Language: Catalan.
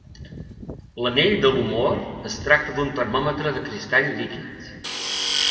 L'anell de l'humor es tracta d'un termòmetre de cristall líquid.